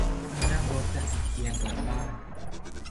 นั่งรถจากอิเกียกลับบ้าน